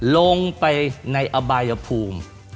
ลงไปในอบายภูมิ